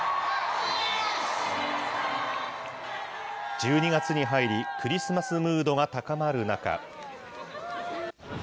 １２月に入り、クリスマスムードが高まる中。